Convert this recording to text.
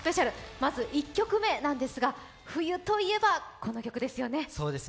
まず１曲目なんですが冬といえば、この曲ですよね。